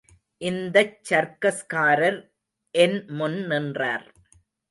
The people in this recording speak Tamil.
இந்தச் சர்க்கஸ்காரர் என் முன் நின்றார்.